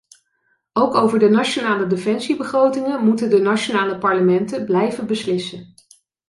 Ook over de nationale defensiebegrotingen moeten de nationale parlementen blijven beslissen.